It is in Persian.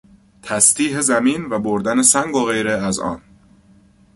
تسطیح زمین و بردن سنگ و غیره از آن